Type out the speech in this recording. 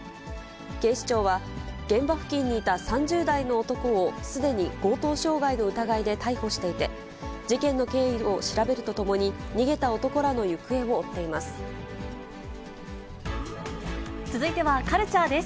警視庁は、現場付近にいた３０代の男をすでに強盗傷害の疑いで逮捕していて、事件の経緯を調べるとともに、続いてはカルチャーです。